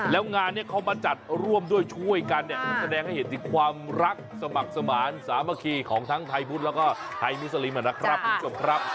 แล้วงานนี้เขามาจัดร่วมด้วยช่วยกันเนี่ยแสดงให้เห็นถึงความรักสมัครสมาธิสามัคคีของทั้งไทยพุทธแล้วก็ไทยมุสลิมนะครับคุณผู้ชมครับ